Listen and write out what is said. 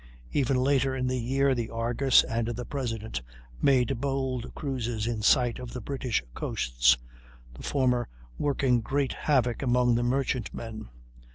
Even later in the year the Argus and the President made bold cruises in sight of the British coasts, the former working great havoc among the merchant men.